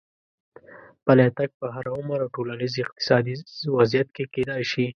پلی تګ په هر عمر او ټولنیز اقتصادي وضعیت کې کېدای شي.